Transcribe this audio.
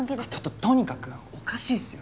とととにかくおかしいっすよ。